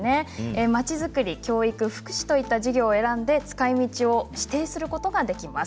まちづくり、教育、福祉といった事業を選んで使いみちを指定することができます。